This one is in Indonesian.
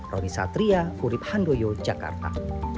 roni satria kurib handoyo jakarta